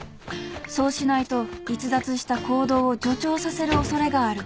［そうしないと逸脱した行動を助長させる恐れがある］